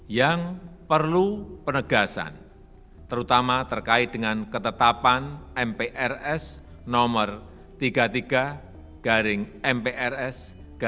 yang perlu penegasan terutama terkait dengan ketetapan mprs no tiga puluh tiga mprs seribu sembilan ratus enam puluh tujuh